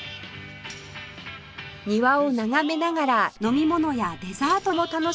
庭を眺めながら飲み物やデザートも楽しめるため